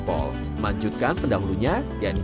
saya mau kejar adaidence haluswal sedikit